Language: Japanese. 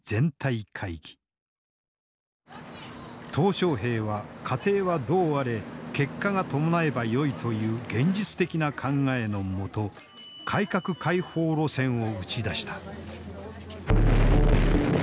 小平は過程はどうあれ結果が伴えばよいという現実的な考えの下改革開放路線を打ち出した。